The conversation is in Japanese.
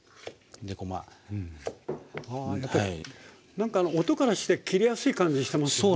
何かあの音からして切れやすい感じしてますよね。